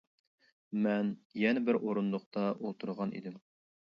مەن يەنە بىر ئورۇندۇقتا ئولتۇرغان ئىدىم.